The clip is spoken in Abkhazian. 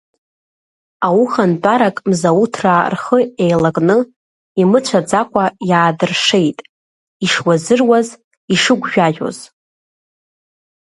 Аухантәарак Мзауҭраа рхы еилакны, имыцәаӡакәа иаадыршеит ишуазыруаз, ишыгәжәажәоз.